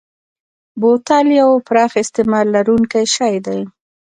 بوتل یو پراخ استعمال لرونکی شی دی.